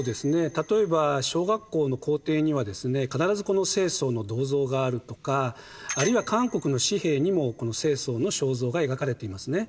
例えば小学校の校庭にはですね必ずこの世宗の銅像があるとかあるいは韓国の紙幣にもこの世宗の肖像が描かれていますね。